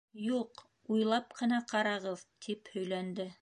— Юҡ, уйлап ҡына ҡарағыҙ! — тип һөйләнде.